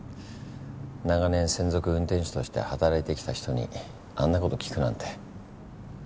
長年専属運転手として働いてきた人にあんなこと聞くなんて。